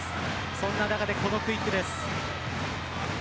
そんな中で、このクイックです。